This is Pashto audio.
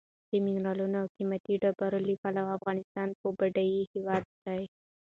د منرالو او قیمتي ډبرو له پلوه افغانستان یو بډایه هېواد دی.